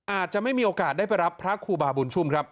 อาจจะไม่มีโอกาสได้ไปรับพระครูบาบุญชุ่มครับ